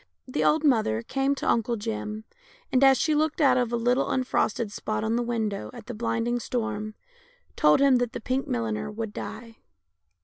The old mother came to Uncle Jim, and, as she looked out of a little unfrosted spot on the window at the blinding storm, told him that the pink milliner would die.